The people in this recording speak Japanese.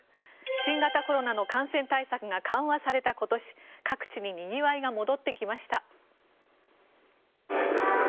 新型コロナの感染対策が緩和された今年各地ににぎわいが戻ってきました。